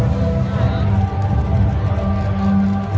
สโลแมคริปราบาล